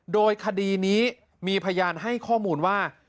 โดยคดีนี้มีพยานให้ข้อมูลว่า